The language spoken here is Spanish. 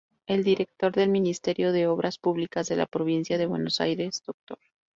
El Director del Ministerio de Obras Públicas de la Provincia de Buenos Aires, Dr.